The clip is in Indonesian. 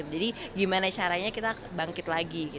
gimana caranya kita bangkit lagi